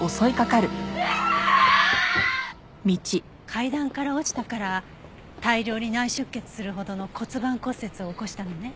階段から落ちたから大量に内出血するほどの骨盤骨折を起こしたのね。